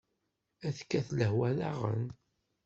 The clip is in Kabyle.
Ad tekkat lehwa daɣen!